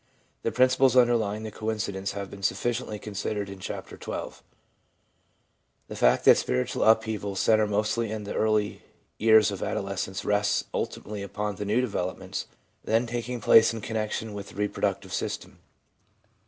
The principles underlying the coin cidence have been sufficiently considered in Chapter XII. The fact that spiritual upheavals centre mostly in the early years of adolescence rests ultimately upon the new developments then taking place in connection with the reproductive system.